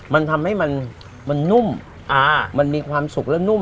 มันทำให้มันนุ่มมันมีความสุขและนุ่ม